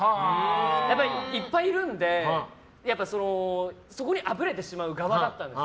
やっぱりいっぱいいるのでそこにあぶれてしまう側だったんです。